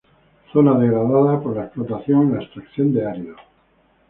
Zona degradada por la explotación en la extracción de áridos.